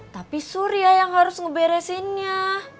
tapi surya yang harus ngeberesinnya